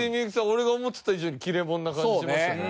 俺が思ってた以上に切れ者な感じしましたね。